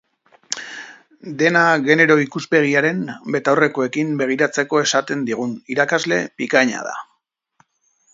Dena genero ikuspegiaren betaurrekoekin begiratzeko esaten digun irakasle bikaina da.